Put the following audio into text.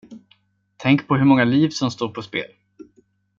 Tänk på hur många liv som står på spel.